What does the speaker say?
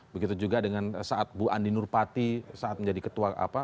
begitu juga dengan saat bu andi nurpati saat menjadi ketua apa